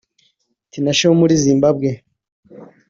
Tinashe wo muri Zimbabwe